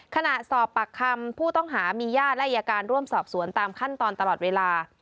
ขณะสอบปากคำผู้ต้องหามีญาติและอายการร่วมสอบสวนตามขั้นตอนตลอดเวลา